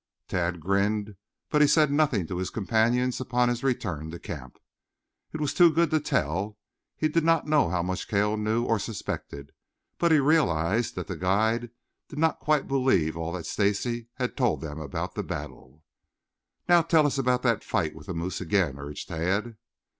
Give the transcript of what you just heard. Tad grinned, but he said nothing to his companions upon his return to camp. It was too good to tell. He did not know how much Cale knew or suspected, but he realized that the guide did not quite believe all that Stacy had told them about the battle. "Now tell us about that fight with the moose again?" urged Tad.